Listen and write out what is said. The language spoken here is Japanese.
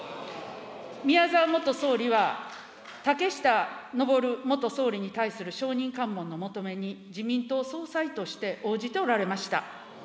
宮沢元総理は竹下登元総理に対する証人喚問の求めに、自民党総裁として応じておられました。